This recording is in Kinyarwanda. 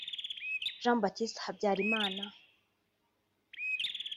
Jean Baptiste Habyalimana